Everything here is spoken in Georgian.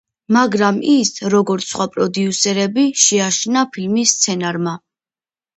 მაგრამ ის, როგორც სხვა პროდიუსერები შეაშინა ფილმის სცენარმა.